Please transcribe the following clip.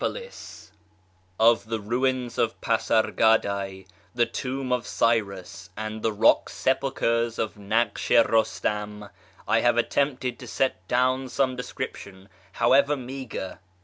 Ill FROM ISFAHAN TO SHIRAZ 253 Of the ruins of Pasargadaj, the tomb of Cyrus, and the rock sepulchres of Naksh i Paistam I have attempted to set down some description, however meagre.